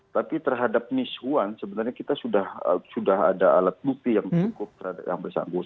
tapi terhadap mishuan sebenarnya kita sudah ada alat bukti yang cukup terhadap yang bersangkutan